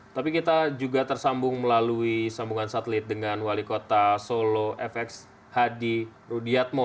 tapi kita juga tersambung melalui sambungan satelit dengan wali kota solo fx hadi rudiatmo